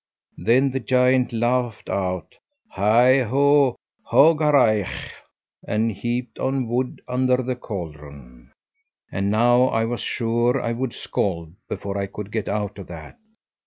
Then the giant laughed out HAI, HAW, HOGARAICH, and heaped on wood under the caldron. "And now I was sure I would scald before I could get out of that.